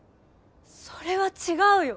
それは違うよ。